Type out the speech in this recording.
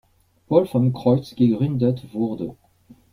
Paul vom Kreuz gegründet wurde.